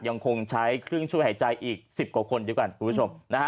ยังคงใช้เครื่องช่วยหายใจอีก๑๐กว่าคนเดียวกันคุณผู้ชมนะฮะ